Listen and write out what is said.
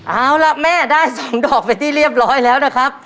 เอาล่ะแม่ได้๒ดอกเป็นที่เรียบร้อยแล้วนะครับ